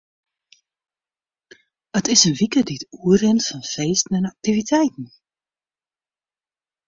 It is in wike dy't oerrint fan feesten en aktiviteiten.